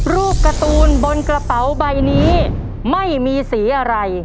รูปการ์ตูนบนกระเป๋าใบนี้ไม่มีสีอะไร